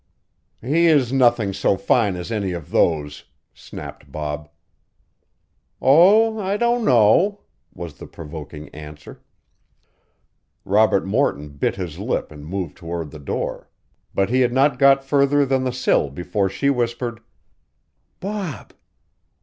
"He is nothing so fine as any of those," snapped Bob. "Oh, I don't know," was the provoking answer. Robert Morton bit his lip and moved toward the door, but he had not got further than the sill before she whispered: "Bob!"